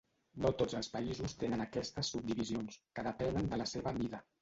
No tots els països tenen aquestes subdivisions, que depenen de la seva mida.